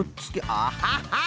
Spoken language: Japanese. アハハ！